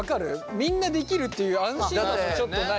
みんなできるっていう安心感もちょっとない？